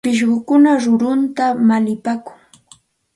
Pishqukuna kurutam palipaakun.